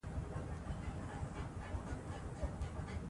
ورور مې ډېره تسلا راکړه.